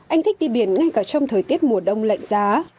anh thích đi biển ngay cả trong thời tiết mùa đông lạnh giá